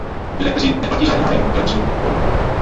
Lidé, kteří neplatí řádně nájem, elektřinu, vodu.